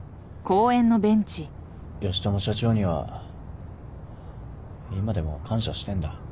義知社長には今でも感謝してんだ。